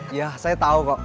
iya saya tau kok